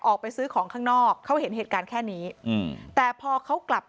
ออกไปซื้อของข้างนอกเขาเห็นเหตุการณ์แค่นี้อืมแต่พอเขากลับ